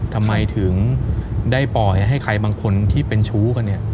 ทำไมถึงได้ปล่อยให้ใครบางคนที่เป็นชู้กันเนี่ย